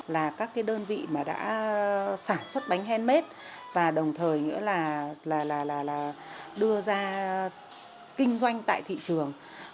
là các cái đơn vị mà đã sản xuất bánh handmade và đồng thời nữa là đưa ra kinh doanh tại thị trường